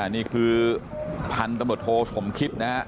นี่คือพันธุ์ตำรวจโทสมคิตนะฮะ